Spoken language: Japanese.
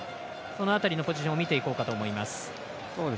その辺りのポジションを見ていこうかと思います。